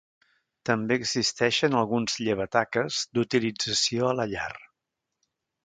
També existeixen alguns llevataques d'utilització a la llar.